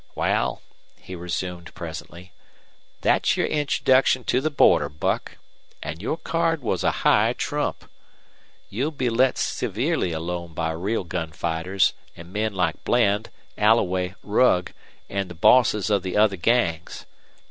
"Wal," he resumed, presently, "thet's your introduction to the border, Buck. An' your card was a high trump. You'll be let severely alone by real gun fighters an' men like Bland, Alloway, Rugg, an' the bosses of the other gangs.